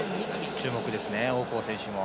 注目ですね、王浩選手も。